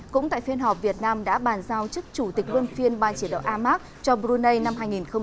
cũng tại phiên họp việt nam đã bàn giao chức chủ tịch luân phiên ban chỉ đạo amac cho brunei năm hai nghìn hai mươi